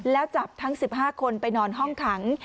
แล้วจับทั้ง๑๕คนไปนอนห้องขัง